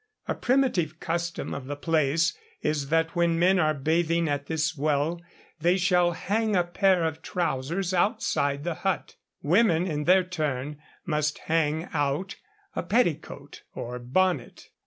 A primitive custom of the place is that when men are bathing at this well they shall hang a pair of trousers outside the hut; women, in their turn, must hang out a petticoat or bonnet.